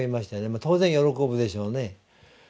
当然喜ぶでしょうね。